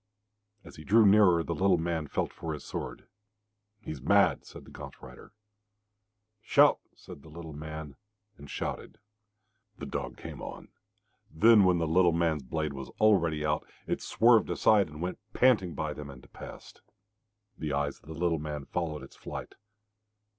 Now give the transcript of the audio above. As he drew nearer the little man felt for his sword. "He's mad," said the gaunt rider. "Shout!" said the little man, and shouted. The dog came on. Then when the little man's blade was already out, it swerved aside and went panting by them and past. The eyes of the little man followed its flight.